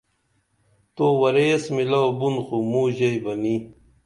تو ورے ایس میلاو بُن خو موں ژے بہ نی